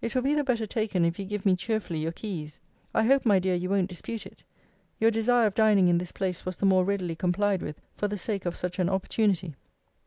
It will be the better taken, if you give me cheerfully your keys. I hope, my dear, you won't dispute it. Your desire of dining in this place was the more readily complied with for the sake of such an opportunity.